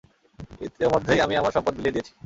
ইতোমধ্যেই আমি আমার সম্পদ বিলিয়ে দিয়েছি!